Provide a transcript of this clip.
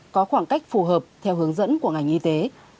có khoảng cách phù hợp theo hướng dẫn của ngành y tế